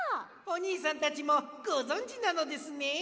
おにいさんたちもごぞんじなのですね。